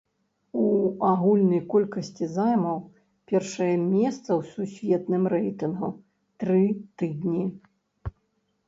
У агульнай колькасці займаў першае месца ў сусветным рэйтынгу тры тыдні.